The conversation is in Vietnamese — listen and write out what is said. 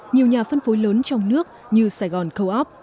nhiều nhà phân phối lớn trong nước như sài gòn co op